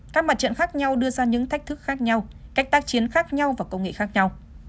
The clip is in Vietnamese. các mặt trận khác nhau đưa ra những thách thức khác nhau cách tác chiến khác nhau và công nghệ khác nhau